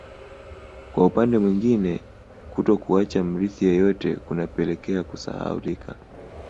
Kwa upande mwingine kutokuacha mrithi yeyote kunapelekea kusahaulika